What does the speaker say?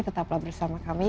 tetaplah bersama kami